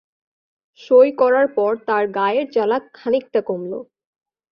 সই করার পর তাঁর গায়ের জ্বালা খানিকটা কমল।